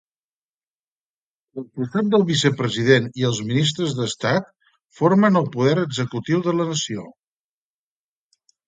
Al costat del Vicepresident i els ministres d'Estat formen el Poder Executiu de la nació.